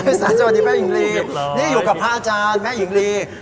สารสวัสดีแม่หญิงลีนี่อยู่กับพระอาจารย์แม่หญิงลี